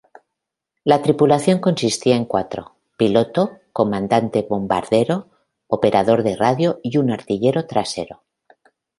La tripulación consistía en cuatro: piloto, comandante-bombardero, operador de radio y un artillero trasero.